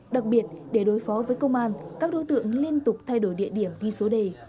đặc biệt để đối phó với công an các đối tượng liên tục thay đổi địa điểm ghi số đề